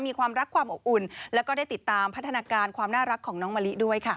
มีความรักความอบอุ่นแล้วก็ได้ติดตามพัฒนาการความน่ารักของน้องมะลิด้วยค่ะ